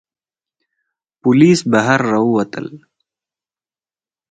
پوليس بهر را ووتل.